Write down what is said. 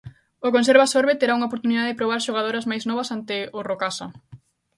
O Conservas Orbe terá unha oportunidade de probar xogadoras máis novas ante o Rocasa.